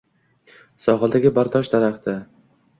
— “Sohildagi bardosh daraxti”!